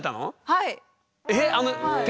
はい。